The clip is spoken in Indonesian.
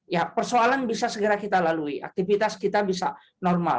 ya persoalan bisa segera kita lalui aktivitas kita bisa normal